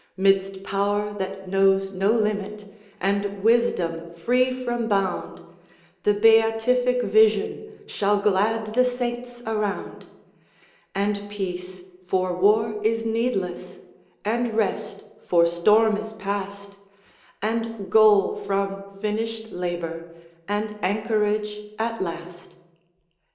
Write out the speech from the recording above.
'Midst power that knows no limit, And wisdom free from bound, The Beatific Vision Shall glad the Saints around; And peace, for war is needless, And rest, for storm is past, And goal from finished labor, And anchorage at last.